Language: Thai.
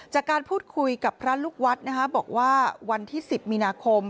จากการพูดคุยกับพระลูกวัดบอกว่าวันที่๑๐มีนาคม